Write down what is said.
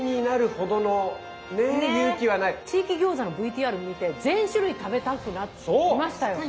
地域餃子のＶＴＲ見て全種類食べたくなりましたよ。